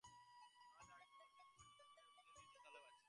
আমার যা-কিছু সমস্তই তোমার জন্যে এ-কথা যদি বুঝিয়ে দিতে পারি তাহলে বাঁচি।